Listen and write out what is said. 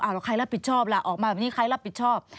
แล้วใครรับผิดชอบล่ะออกมาแบบนี้ใครรับผิดชอบ